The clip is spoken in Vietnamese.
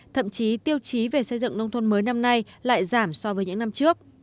thậm chí tiêu chí về xây dựng nông thôn mới năm nay lại giảm so với những năm trước